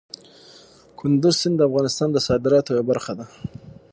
کندز سیند د افغانستان د صادراتو یوه برخه ده.